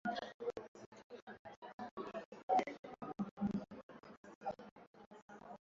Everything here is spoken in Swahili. Wanaosongamana kwenye asilimia kumi za China yot